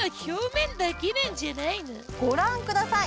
ご覧ください